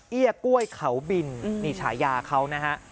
กล้วยเขาบินนี่ฉายาเขานะฮะ